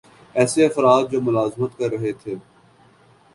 ایسے افراد جو ملازمت کررہے تھے